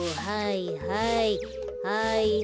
はいはい。